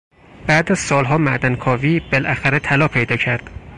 بعد از سالها معدنکاوی، بالاخره طلا پیدا کرد.